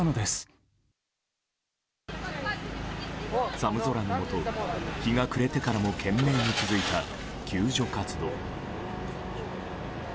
寒空の下、日が暮れてからも懸命に続いた救助活動。